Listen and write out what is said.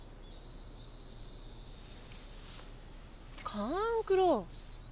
勘九郎。